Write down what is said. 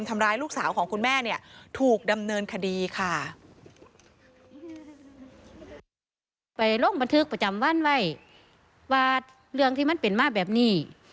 มันถือกประจำวันไว้ว่าเรื่องที่มันเป็นมากแบบนี้